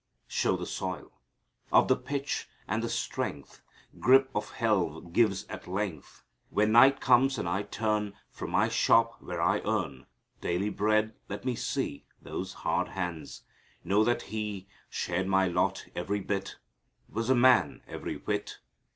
Show the soil Of the pitch; and the strength Grip of helve gives at length. "When night comes, and I turn From my shop where I earn Daily bread, let me see Those hard hands; know that He Shared my lot, every bit: Was a man, every whit.